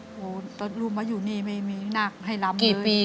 โอ้โฮตอนรู้มาอยู่นี่ไม่มีหนักให้ลำเลย